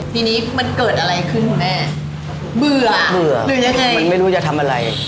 ทีนี้มันเกิดอะไรขึ้นคุณแม่เบื่อเบื่อเบื่อยังไงมันไม่รู้จะทำอะไร